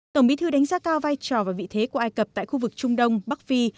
tổng bí thư đánh giá cao vai trò và vị thế của ai cập tại khu vực trung đông bắc phi